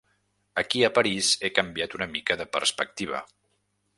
Aquí a París he canviat una mica de perspectiva.